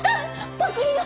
パクリだ！